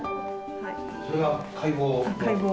それが解剖。